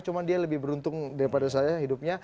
cuma dia lebih beruntung daripada saya hidupnya